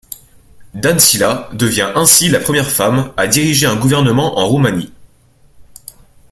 Dăncilă devient ainsi la première femme à diriger un gouvernement en Roumanie.